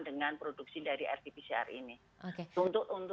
dengan produksi dari rt pcr ini untuk swab dacron dan ekstraksi gate